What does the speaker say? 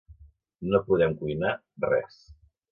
No podem cuinar res.